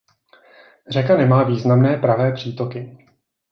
Řeka nemá významné pravé přítoky.